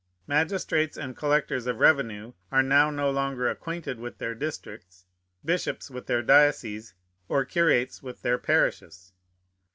Magistrates and collectors of revenue are now no longer acquainted with their districts, bishops with their dioceses, or curates with their parishes.